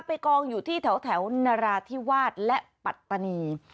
กองอยู่ที่แถวนราธิวาสและปัตตานี